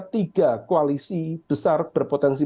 tiga koalisi besar berpotensi